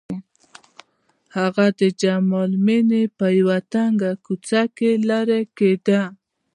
هغه د جمال مېنې په يوه تنګه کوڅه کې لېرې کېده.